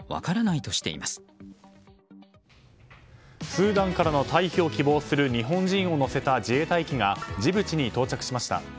スーダンからの退避を希望する日本人を乗せた自衛隊機がジブチに到着しました。